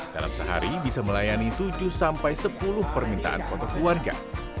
dalam sehari bisa melayani tujuh sampai sepuluh permintaan foto keluarga